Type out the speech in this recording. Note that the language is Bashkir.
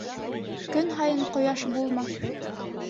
Көн һайын ҡояш булмаҫ.